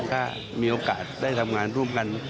ถ้ามีโอกาสได้ทำงานร่วมกัน